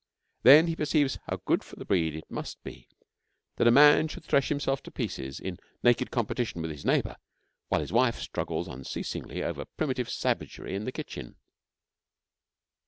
Then he perceives how good for the breed it must be that a man should thresh himself to pieces in naked competition with his neighbour while his wife struggles unceasingly over primitive savagery in the kitchen.